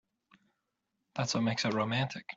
That's what makes it romantic.